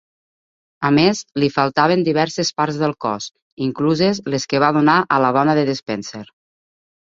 A més, li faltaven diverses parts del cos, incluses les que va donar a la dona de Despenser.